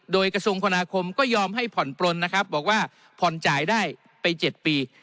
โดยกระทรวงคณาคมก็ยอมให้ผ่อนปลนนะครับบอกว่าผ่อนจ่ายได้ไป๗ปี